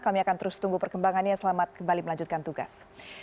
kami akan terus tunggu perkembangannya selamat kembali melanjutkan tugas